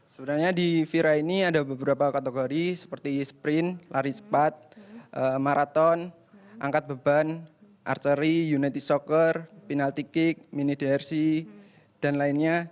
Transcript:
sebenarnya di vira ini ada beberapa kategori seperti sprint lari cepat maraton angkat beban archery united soccer penalti kick mini drc dan lainnya